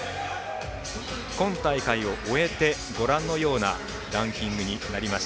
今大会を終えて、ご覧のようなランキングになりました。